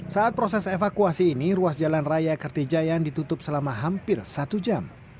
saat proses evakuasi ini ruas jalan raya kertijayan ditutup selama hampir satu jam